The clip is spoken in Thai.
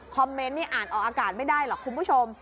เมนต์นี่อ่านออกอากาศไม่ได้หรอกคุณผู้ชม